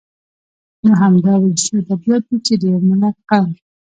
نو همدا ولسي ادبيات دي چې د يوه ملت ، قوم